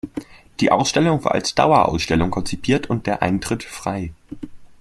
Die Ausstellung war als Dauerausstellung konzipiert und der Eintritt frei.